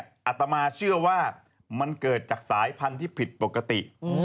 อาตมาเชื่อว่ามันเกิดจากสายพันธุ์ที่ผิดปกติ